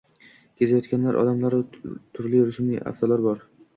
Kezinayotgan odamlaru turli rusumli avtolar bor.